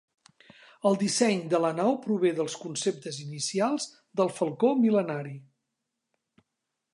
El disseny de la nau prové dels conceptes inicials del "Falcó Mil·lenari".